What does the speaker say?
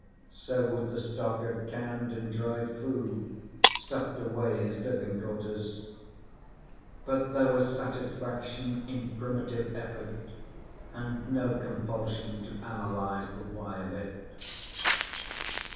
So would the stock of canned and dried food stuffed away in his living quarters. But there was satisfaction in primitive effort and no compulsion to analyze the why of it.